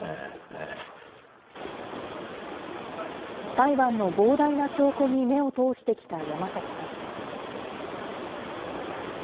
裁判の膨大な証拠に目を通してきた山崎さん。